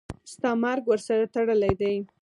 ستا مرګ ورسره تړلی دی.